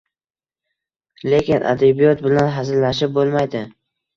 Lekin, adabiyot bilan hazillashib bo‘lmaydi